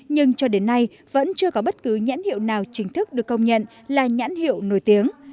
nhưng cho đến nay vẫn chưa có bất cứ nhãn hiệu nào chính thức được công nhận là nhãn hiệu nổi tiếng